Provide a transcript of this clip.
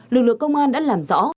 lực lượng công an đã làm rõ